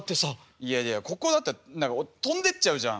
いやいやいやここだって何か飛んでっちゃうじゃん。